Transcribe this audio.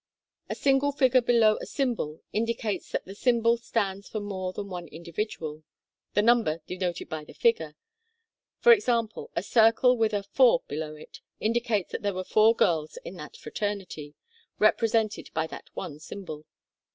A single figure below a symbol indicates that the sym bol stands for more than one individual the number denoted by the figure, e.g. a circle with a "4" below it, indicates that there were four girls in that fraternity, represented by that one symbol.